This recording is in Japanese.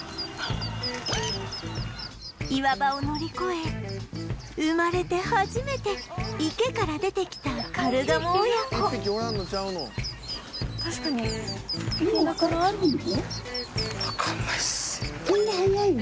岩場を乗り越え生まれて初めて池から出てきたカルガモ親子わかんないっす。